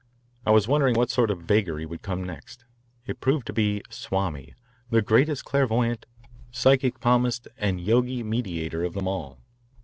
I was wondering what sort of vagary would come next. It proved to be "Swami, the greatest clairvoyant, psychic palmist, and Yogi mediator of them all."